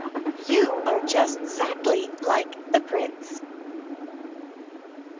"YOU ARE JUST 'ZACKLY LIKE THE PRINCE."